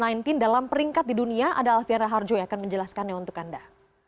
mungkin dalam peringkat di dunia ada alvira harjo yang akan menjelaskannya untuk anda